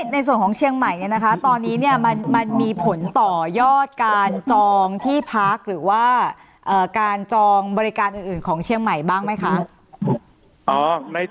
ในส่วนของเชียงใหม่ตอนนี้มันมีผลต่อยอดการจองที่พักหรือว่าการจองบริการอื่นของเชียงใหม่บ้างไหมคะ